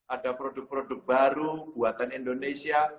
ada produk produk baru buatan indonesia